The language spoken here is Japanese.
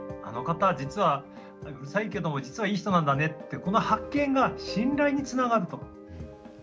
あの方実はうるさいけども実はいい人なんだねってこの発見が信頼につながると。